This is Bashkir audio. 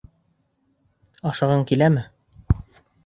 Ашағың киләме?